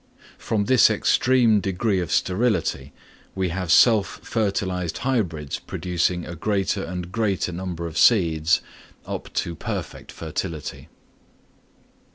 From this extreme degree of sterility we have self fertilised hybrids producing a greater and greater number of seeds up to perfect fertility.